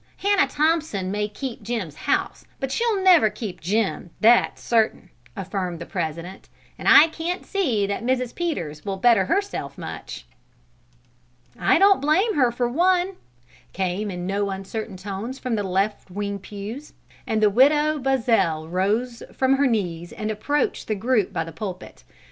"Hannah Thompson may keep Jim's house, but she'll never keep Jim, that's certain!" affirmed the president; "and I can't see that Mrs. Peters will better herself much." "I don't blame her, for one!" came in no uncertain tones from the left wing pews, and the Widow Buzzell rose from her knees and approached the group by the pulpit.